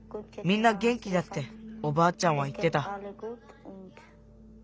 みんなげん気だっておばあちゃんはいってた。